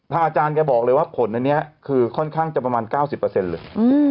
อาจารย์แกบอกเลยว่าผลอันนี้คือค่อนข้างจะประมาณ๙๐เลย